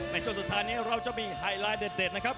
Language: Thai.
ในช่วงสุดท้ายนี้เราจะมีไฮไลท์เด็ดนะครับ